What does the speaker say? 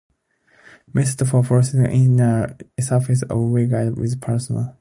Method for processing an inner surface of a waveguide with plasma.